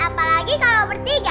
apalagi kalau bertiga